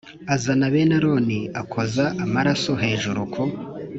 Azana bene Aroni akoza amaraso hejuru ku